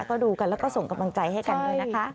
ก็ดูกันแล้วก็ส่งกำลังใจให้กันด้วยนะคะ